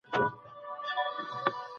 حقوق الله د بنده او خالق ترمنځ دي.